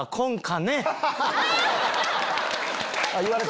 言われた？